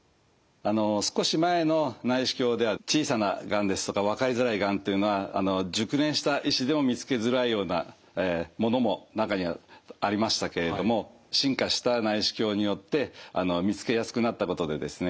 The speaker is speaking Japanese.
少し前の内視鏡では小さながんですとか分かりづらいがんというのは熟練した医師でも見つけづらいようなものも中にはありましたけれども進化した内視鏡によって見つけやすくなったことでですね